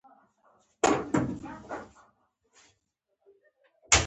بېخي نابوده او تېره پرزه وه، جینو: فکر نه کوم چې دا توغندي.